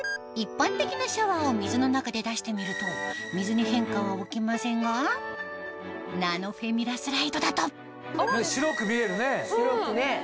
一般的なシャワーを水の中で出してみると水に変化は起きませんがナノフェミラスライトだと白く見えるね。